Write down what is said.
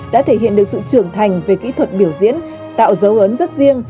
đã thể hiện được sự trưởng thành về kỹ thuật biểu diễn tạo dấu ấn rất riêng